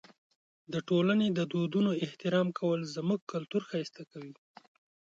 د ټولنې د دودونو احترام کول زموږ کلتور ښایسته کوي.